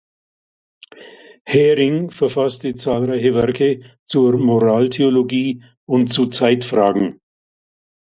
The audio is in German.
Häring verfasste zahlreiche Werke zur Moraltheologie und zu Zeitfragen.